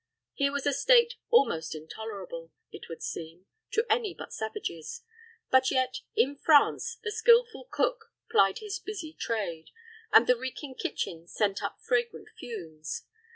Here was a state almost intolerable, it would seem, to any but savages; but yet, in France, the skillful cook plied his busy trade, and the reeking kitchen sent up fragrant fumes.